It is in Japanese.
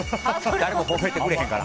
誰も褒めてくれへんから。